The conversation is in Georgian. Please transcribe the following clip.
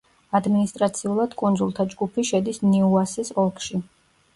ადმინისტრაციულად კუნძულთა ჯგუფი შედის ნიუასის ოლქში.